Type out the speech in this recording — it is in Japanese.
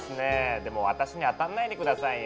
でも私に当たんないで下さいよ。